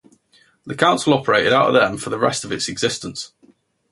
The council operated out of them for the rest of its existence.